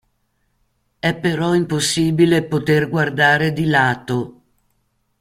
È però impossibile poter guardare di lato.